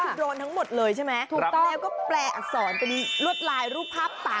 คือมันไม่ใช่เรื่องง่ายนะที่จะเอาโดรนดินขึ้นไป